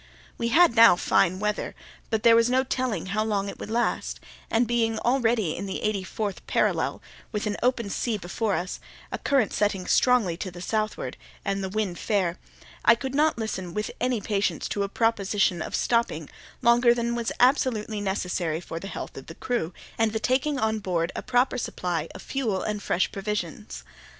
We had now fine weather, but there was no telling how long it would last; and being already in the eighty fourth parallel, with an open sea before us, a current setting strongly to the southward, and the wind fair, I could not listen with any patience to a proposition of stopping longer than was absolutely necessary for the health of the crew and the taking on board a proper supply of fuel and fresh provisions.